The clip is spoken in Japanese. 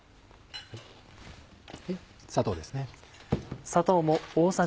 砂糖ですね。